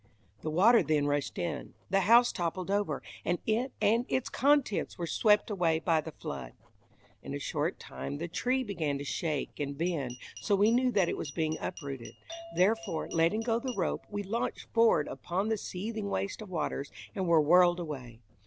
The water then rushed in, the house toppled over, and it and its contents were swept away by the flood. In a short time the tree began to shake and bend, so we knew that it was being uprooted; therefore, letting go the rope, we launched forth upon the seething waste of waters and were whirled away.